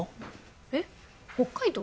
えっ？北海道？